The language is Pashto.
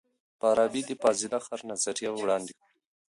فارابي د فاضله ښار نظریه وړاندې کړه.